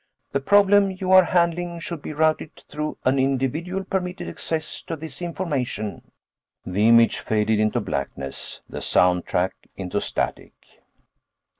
The problem you are handling should be routed through an individual permitted access to this information." The image faded into blackness, the sound track into static.